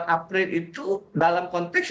dua puluh empat april itu dalam konteks